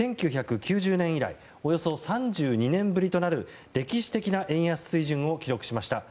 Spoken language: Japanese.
１９９０年以来およそ３２年ぶりとなる歴史的な円安水準を記録しました。